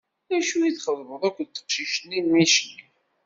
Acu i txeddmeḍ akked teqcict-nni n Micli?